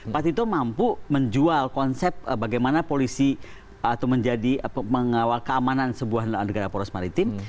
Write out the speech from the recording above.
pak tito mampu menjual konsep bagaimana polisi atau menjadi mengawal keamanan sebuah negara poros maritim